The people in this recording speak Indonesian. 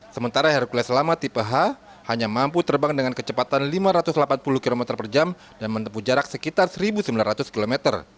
sementara hercules lama tipe h hanya mampu terbang dengan kecepatan lima ratus delapan puluh km per jam dan menempuh jarak sekitar satu sembilan ratus km